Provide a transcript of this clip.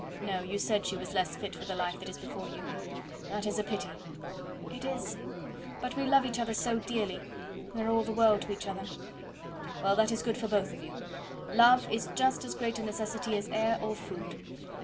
no; you said she was less fit for the life that is before you; that is a pity." "It is; but we love each other so dearly we are all the world to each other." "Well, that is good for both of you; love is just as great a necessity as air or food.